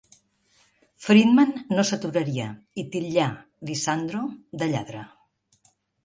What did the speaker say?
Friedman no s'aturaria, i titllà Lisandro de "lladre".